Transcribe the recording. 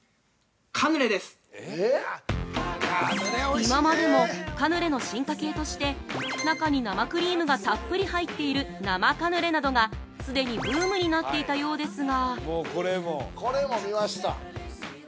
◆今までもカヌレの進化系として中に生クリームがたっぷり入っている生カヌレなどがすでにブームになっていたようですが◆